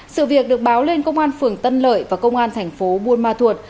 sự việc được báo lên công an phường tân lợi và công an thành phố buôn ma thuột